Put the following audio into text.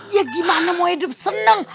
ya gimana mau hidup senang